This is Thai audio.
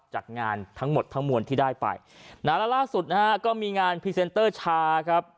จากงานทั้งหมดทั้งมวลที่ได้ไปนะฮะแล้วล่าสุดนะฮะก็มีงานพรีเซนเตอร์ชาครับ